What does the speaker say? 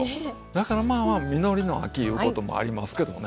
だからまあまあ「実りの秋」いうこともありますけどね